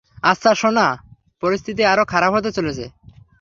আচ্ছা, সোনা, পরিস্থিতি আরো খারাপ হতে চলেছে।